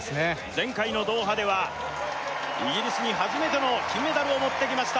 前回のドーハではイギリスに初めての金メダルを持ってきました